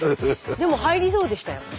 でも入りそうでしたよ。